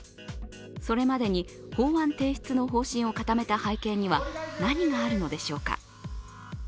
それまでに法案提出の方針を固めた背景には何があるのでしょうか。